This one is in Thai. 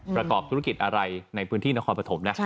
ประกอบธุรกิจอะไรในพื้นที่นครปฐมนะ